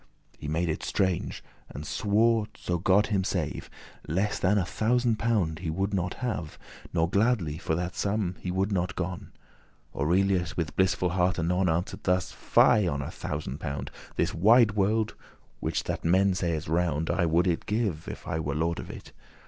He made it strange,* and swore, so God him save, *a matter of Less than a thousand pound he would not have, difficulty* *Nor gladly for that sum he would not gon.* *see note <17>* Aurelius with blissful heart anon Answered thus; "Fie on a thousand pound! This wide world, which that men say is round, I would it give, if I were lord of it.